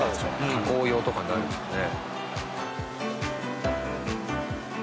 加工用とかになるんですかね。